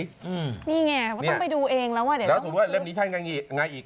นี่ไงว่าต้องไปดูเองแล้วแล้วสมมุติว่าเล่มนี้ใช่ยังไงอีก